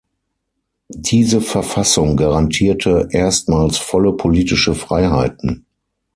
Diese Verfassung garantierte erstmals volle politische Freiheiten.